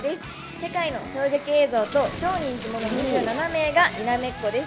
世界の衝撃映像と超人気者２７名がにらめっこです。